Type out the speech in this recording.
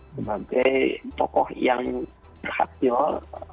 sebagai tokoh yang berhasil